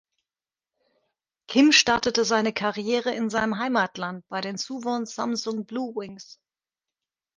Kim startete seine Karriere in seinem Heimatland bei den Suwon Samsung Bluewings.